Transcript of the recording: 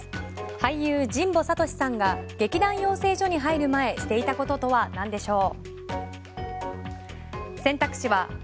俳優・神保悟志さんが劇団養成所に入る前していたこととは何でしょう。